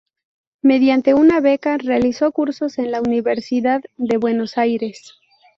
Mediante una beca, realizó cursos en la Universidad de Buenos Aires.